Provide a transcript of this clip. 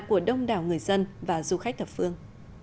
của đông đảo người dân và du khách thập phương